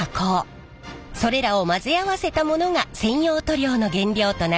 それらを混ぜ合わせたものが専用塗料の原料となります。